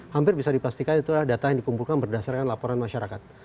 hampir bisa dipastikan itu adalah data yang dikumpulkan berdasarkan laporan masyarakat